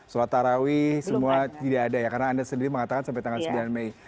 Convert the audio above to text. sholat tarawih semua tidak ada ya karena anda sendiri mengatakan sampai tanggal sembilan mei